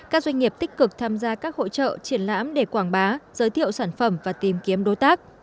các doanh nghiệp tích cực tham gia các hỗ trợ triển lãm để quảng bá giới thiệu sản phẩm và tìm kiếm đối tác